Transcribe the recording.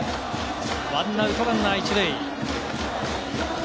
１アウトランナー１塁。